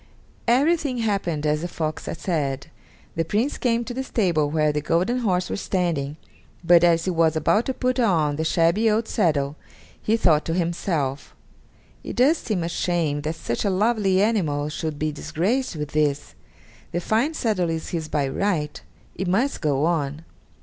Everything happened as the fox had said. The Prince came to the stable where the golden horse was standing, but, as he was about to put on the shabby old saddle, he thought to himself, "It does seem a shame that such a lovely animal should be disgraced with this. The fine saddle is his by right; it must go on."